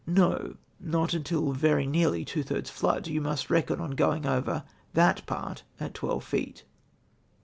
— No*, not until nearly tivo thirds flood. You must reckon on going over that part at tiuelve feet.''"'